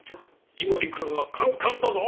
井森君はカンカンだぞ！